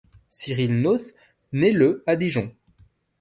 Cyril Nauth naît le à Dijon.